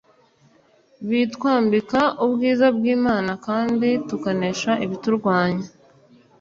bitwambika ubwiza bw’Imana kandi tukanesha ibiturwanya